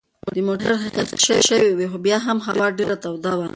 د موټر ښيښې کښته شوې وې خو بیا هم هوا ډېره توده وه.